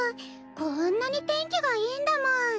こんなに天気がいいんだもん。